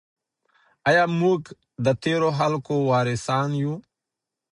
آیا موږ د تیرو خلګو وارثان یو؟